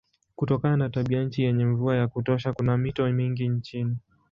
Kutokana na tabianchi yenye mvua ya kutosha kuna mito mingi nchini.